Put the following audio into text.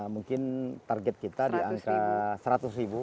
mungkin target kita di angka seratus ribu